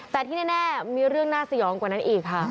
แต่ที่แน่มีเรื่องน่าสยองกว่านั้นอีกค่ะ